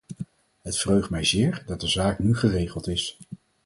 Het verheugt mij zeer dat de zaak nu geregeld is.